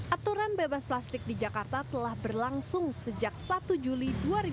aturan bebas plastik di jakarta telah berlangsung sejak satu juli dua ribu dua puluh